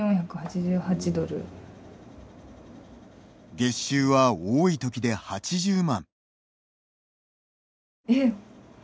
月収は多いときで８０万。